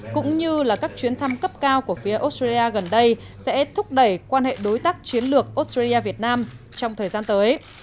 cũng như là các chuyến thăm cấp cao của phía australia gần đây sẽ thúc đẩy quan hệ đối tác chiến lược australia việt nam trong thời gian tới